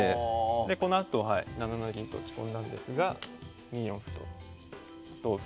でこのあと７七銀と打ち込んだんですが２四歩と同歩